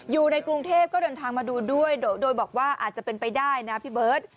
อยู่ในกรุงเทพก็เดินทางมาดูด้วยโดยบอกว่าอาจจะเป็นไปได้นะพี่เบิร์ต